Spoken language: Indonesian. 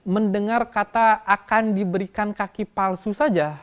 mendengar kata akan diberikan kaki palsu saja